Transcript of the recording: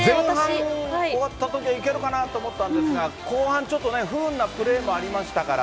前半終わったときはいけるかなと思ったんですが、後半ちょっとね、不運なプレーもありましたから。